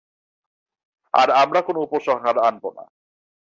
আর আমরা কোনো উপহার আনব না।